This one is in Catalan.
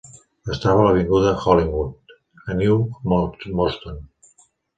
Es troba a l'avinguda Hollinwood, a New Moston.